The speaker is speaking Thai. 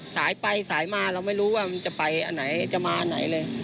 สายไปสายมาเราไม่รู้ว่ามันจะไปอันไหนจะมาไหนเลย